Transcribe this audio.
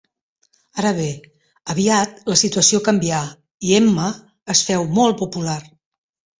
Ara bé, aviat la situació canvià i Emma es féu molt popular.